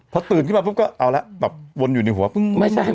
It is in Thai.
พอตื่นขึ้นมาปุ๊บก็เอาแล้วแบบวนอยู่ในหัวปึ้งไม่ใช่